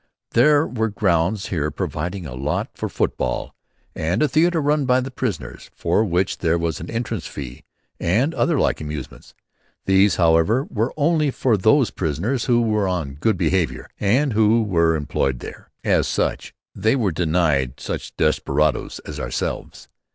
There were grounds here providing a lot for football, and a theatre run by the prisoners, for which there was an entrance fee, and other like amusements. These, however, were only for those prisoners who were on good behaviour and who were employed there. As such they were denied such desperadoes as ourselves.